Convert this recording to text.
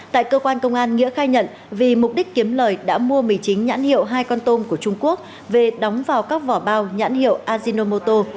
tại cơ quan công an nghĩa khai nhận vì mục đích kiếm lời đã mua mì chính nhãn hiệu hai con tôm của trung quốc về đóng vào các vỏ bao nhãn hiệu ajinomoto